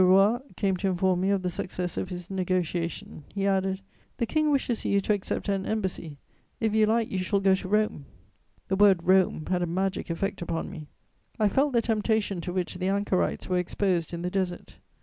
Roy came to inform me of the success of his negociation; he added: "The King wishes you to accept an embassy; if you like, you shall go to Rome." [Sidenote: Ambassador to Rome.] That word "Rome" had a magic effect upon me; I felt the temptation to which the anchorites were exposed in the desert.